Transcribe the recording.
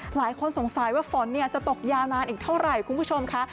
หลายคนสงสัยว่าฝนจะตกยาวนานอีกเท่าไหร่คุณผู้ชมค่ะ